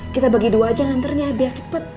kita bagi dua aja nganternya biar cepat